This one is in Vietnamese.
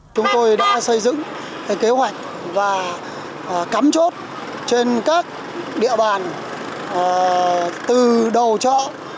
chúng tôi đã xây dựng kế hoạch và cắm chốt trên các địa bàn từ đầu chợ